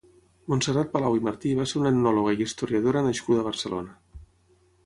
Montserrat Palau i Martí va ser una etnòloga i historiadora nascuda a Barcelona.